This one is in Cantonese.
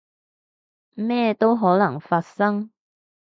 咩都有可能發生